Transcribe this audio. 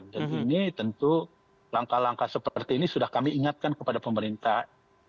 dan ini tentu langkah langkah seperti ini sudah kami ingatkan kepada pemerintah